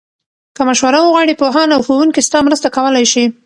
که مشوره وغواړې، پوهان او ښوونکي ستا مرسته کولای شي.